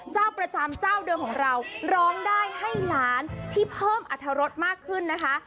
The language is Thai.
เจ้าประจำเจ้าเดิมของเราร้องได้ให้ล้านที่เพิ่มอรรถรสมากขึ้นนะคะ